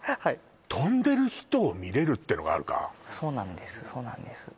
飛んでる人を見れるってのがあるかそうなんですそうなんです